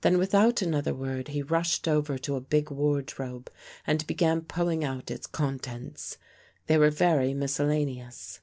Then, without another word, he rushed over to a big wardrobe and began pulling out its contents. They were very miscellaneous.